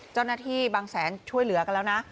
เจ้าหน้าที่บางแสนช่วยเหลือกันแล้วนะ